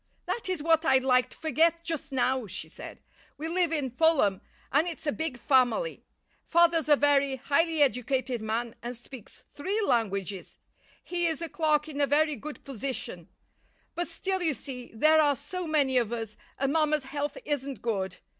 "That is what I'd like to forget just now," she said. "We live in Fulham, and it's a big family. Father's a very highly educated man and speaks three languages. He is a clerk in a very good position; but still, you see, there are so many of us, and mamma's health isn't good.